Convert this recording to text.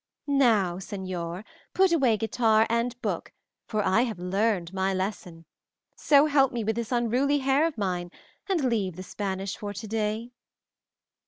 Now señor, put away guitar and book, for I have learned my lesson; so help me with this unruly hair of mine and leave the Spanish for today."